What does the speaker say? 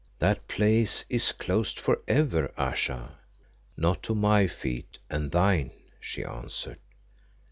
"That place is closed for ever, Ayesha." "Not to my feet and thine," she answered.